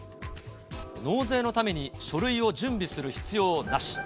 納税のために書類を準備する必要なし。